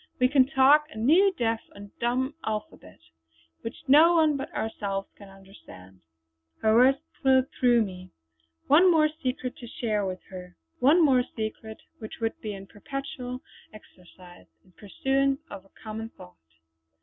We can talk a new deaf and dumb alphabet; which no one but ourselves can understand!" Her words thrilled through me. One more secret to share with her; one more secret which would be in perpetual exercise, in pursuance of a common thought.